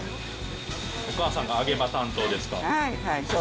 お母さんが揚げ場担当ですか。